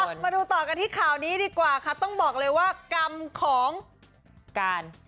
มาดูต่อกันที่ข่าวนี้ดีกว่าค่ะต้องบอกเลยว่ากรรมของการ